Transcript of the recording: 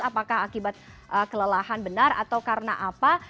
apakah akibat kelelahan benar atau karena apa